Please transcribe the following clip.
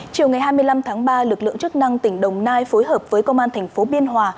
chiều ngày hai mươi năm tháng ba lực lượng chức năng tỉnh đồng nai phối hợp với công an thành phố biên hòa